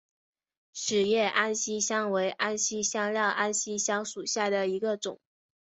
齿叶安息香为安息香科安息香属下的一个种。